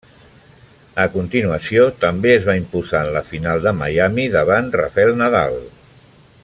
A continuació també es va imposar en la final de Miami davant Rafael Nadal.